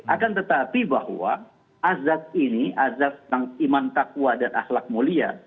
akan tetapi bahwa azad ini azad tentang iman takwa dan ahlak mulia